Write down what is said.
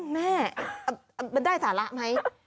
แม่มันได้สาระไหม